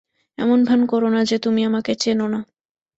এমন ভান করো না যে তুমি আমাকে চেনো না।